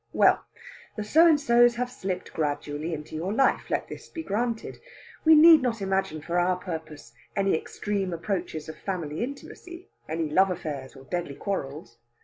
Well, the So and sos have slipped gradually into your life; let this be granted. We need not imagine, for our purpose, any extreme approaches of family intimacy, any love affairs or deadly quarrels.